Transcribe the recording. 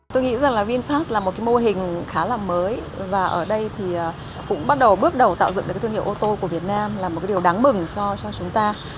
tôi nghĩ rằng vinfast là một mô hình khá là mới và ở đây cũng bắt đầu bước đầu tạo dựng thương hiệu ô tô của việt nam là một điều đáng mừng cho chúng ta